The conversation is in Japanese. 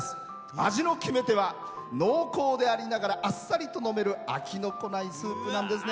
味の決め手は濃厚でありながらあっさりと飲める飽きのこないスープなんですね。